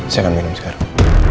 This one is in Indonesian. saya akan minum sekarang